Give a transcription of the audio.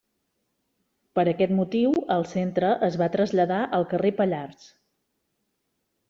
Per aquest motiu el Centre es va traslladar al carrer Pallars.